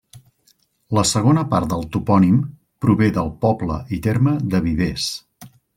La segona part del topònim prové del poble i terme de Vivers.